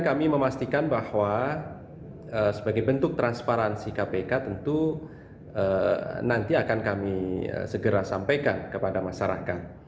kami memastikan bahwa sebagai bentuk transparansi kpk tentu nanti akan kami segera sampaikan kepada masyarakat